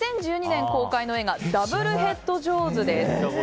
２０１２年公開の映画「ダブルヘッド・ジョーズ」です。